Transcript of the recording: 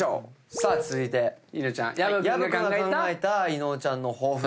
さあ続いて薮君が考えた伊野尾ちゃんの抱負。